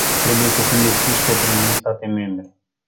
Trebuie să fim deschiși către noi state membre.